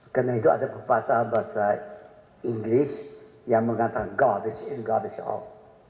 karena itu ada kata bahasa inggris yang mengatakan garbage in garbage out